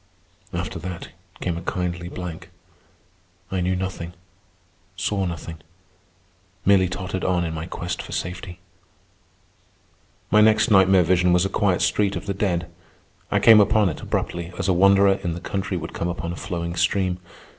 After that came a kindly blank. I knew nothing, saw nothing, merely tottered on in my quest for safety. My next nightmare vision was a quiet street of the dead. I came upon it abruptly, as a wanderer in the country would come upon a flowing stream.